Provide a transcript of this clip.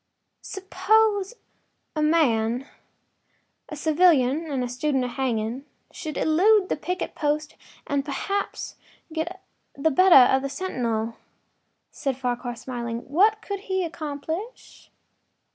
” “Suppose a man—a civilian and student of hanging—should elude the picket post and perhaps get the better of the sentinel,” said Farquhar, smiling, “what could he accomplish?